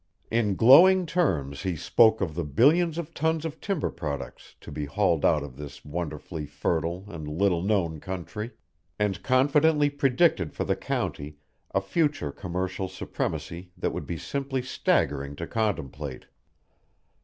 In glowing terms he spoke of the billions of tons of timber products to be hauled out of this wonderfully fertile and little known country, and confidently predicted for the county a future commercial supremacy that would be simply staggering to contemplate.